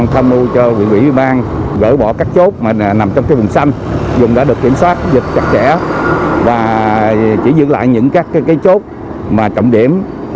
thủ tướng đã được kiểm soát dịch chặt chẽ và chỉ dựng lại những các cái chốt mà trọng điểm